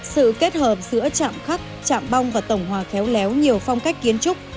sự kết hợp giữa chạm khắc chạm bong và tổng hòa khéo léo nhiều phong cách kiến trúc